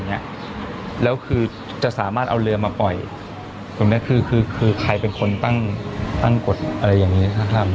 ไม่แน่ใจเขาจะมีสมาคมใช่เขาจะมีสมาคมเตียงผ้าใบสมาคมเรือ